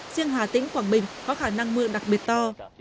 riêng hà tĩnh quảng bình có khả năng mưa đặc biệt to